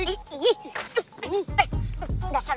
eh enggak sabar